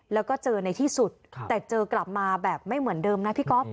แล้วก็เจอในที่สุดแต่เจอกลับมาแบบไม่เหมือนเดิมนะพี่ก๊อฟ